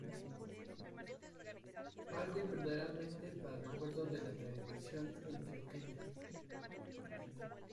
Algo verdaderamente para el recuerdo de la tradición antioqueña.